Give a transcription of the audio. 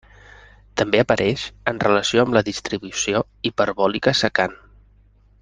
També apareix en relació amb la distribució hiperbòlica secant.